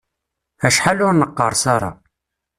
Acḥal ur neqqerṣ ara.